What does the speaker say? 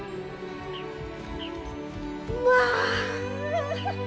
まあ！